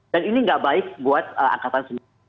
dan ini tidak baik buat angkatan sendiri